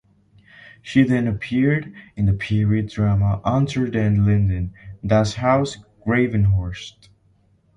She then appeared in the period drama "Unter den Linden - Das Haus Gravenhorst".